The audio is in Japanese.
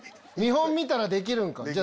見本見たらできるんか？